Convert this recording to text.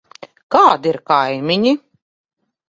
Kādi ir kaimiņi?